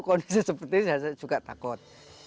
kondisi seperti ini saya juga takut